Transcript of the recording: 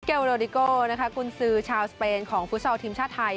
มิเกลโรดิโกคุณซือชาวสเปนของฟุตซอลทีมชาติไทย